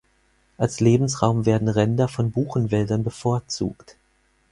Als Lebensraum werden Ränder von Buchenwäldern bevorzugt.